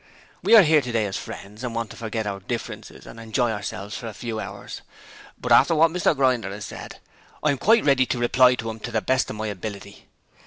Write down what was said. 'We are here today as friends and want to forget our differences and enjoy ourselves for a few hours. But after what Mr Grinder has said I am quite ready to reply to him to the best of my ability.